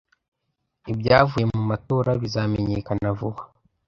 Ibyavuye mu matora bizamenyekana vuba